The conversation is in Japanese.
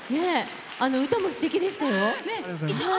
歌もすてきでしたよ。